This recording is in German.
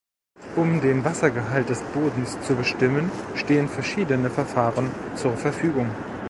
Um den Wassergehalt eines Bodens zu bestimmen, stehen verschiedene Verfahren zur Verfügung.